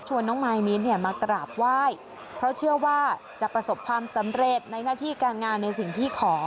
น้องมายมิ้นเนี่ยมากราบไหว้เพราะเชื่อว่าจะประสบความสำเร็จในหน้าที่การงานในสิ่งที่ขอ